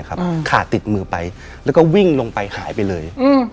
ขาดติดมือไปแล้วก็วิ่งลงไปหายไปเลย